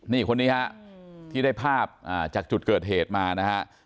นี่คนนี้ฮะที่ได้ภาพจากจุดเกิดเหตุมานะฮะ